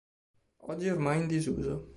Oggi è ormai in disuso.